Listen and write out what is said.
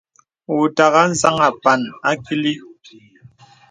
Wɔ̄ ùtàghà anzaŋ àpan àkìlì.